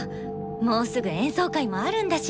もうすぐ演奏会もあるんだし。